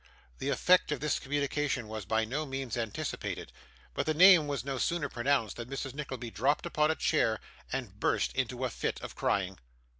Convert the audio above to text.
The effect of this communication was by no means anticipated; but the name was no sooner pronounced, than Mrs. Nickleby dropped upon a chair, and burst into a fit of crying.